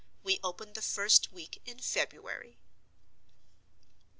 We open the first week in February.